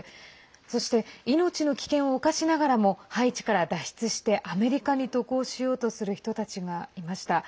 そして命の危険を冒しながらもハイチから脱出してアメリカに渡航しようとする人たちがいました。